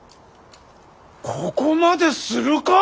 ここまでするか？